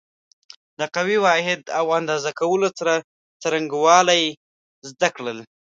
د قوې واحد او اندازه کولو څرنګوالی زده کړل.